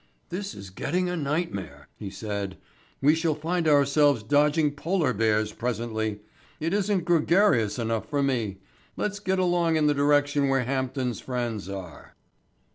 "This is getting a nightmare," he said. "We shall find ourselves dodging Polar bears presently. It isn't gregarious enough for me. Let's get along in the direction where Hampden's friends are."